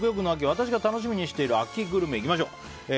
私が楽しみにしている秋グルメいきましょう。